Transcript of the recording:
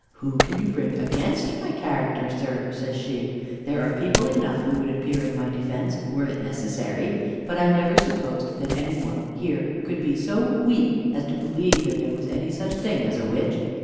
"Who can you bring against my character, sir?" says she. "There are people enough who would appear in my defense, were it necessary: but I never supposed that any one here could be so weak as to believe there was any such thing as a witch.